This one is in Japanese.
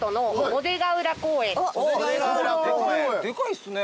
でかいっすね。